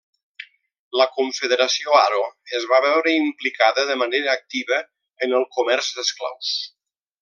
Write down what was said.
La Confederació Aro es va veure implicada de manera activa en el Comerç d'esclaus.